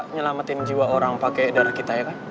nyelamatin jiwa orang pakai darah kita ya kan